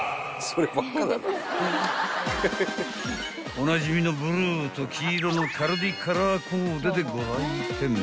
［おなじみのブルーと黄色のカルディカラーコーデでご来店］